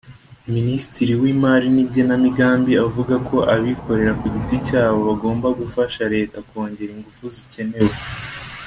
Minisitiri w’imari n’igenamigambi avuga ko abikorera ku giti cyabo bagomba gufasha Leta kongera ingufu zikenewe